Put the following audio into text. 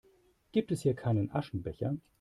Gibt es hier keinen Aschenbecher?